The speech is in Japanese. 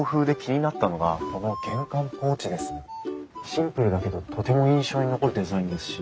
シンプルだけどとても印象に残るデザインですし。